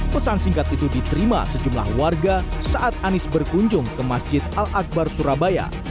pesan singkat itu diterima sejumlah warga saat anies berkunjung ke masjid al akbar surabaya